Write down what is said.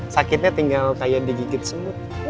sakitnya tinggal kayak digigit semua